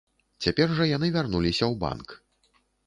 Цяпер жа яны вярнуліся ў банк.